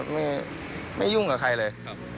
ไม่ยุ่งกับใครเลย